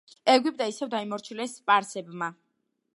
ეგვიპტე ისევ დაიმორჩილეს სპარსებმა.